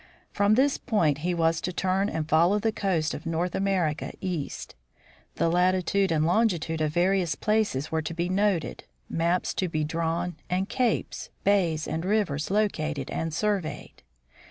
From this point, he was to turn and follow the coast of North America east. The latitude and longitude of various places were to be noted, maps to be drawn, and capes, bays, and rivers located and surveyed.